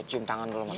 cium tangan dulu mak